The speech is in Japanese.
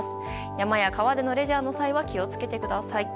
山や川でのレジャーの際は気を付けてください。